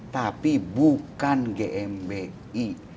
tapi bukan gmbi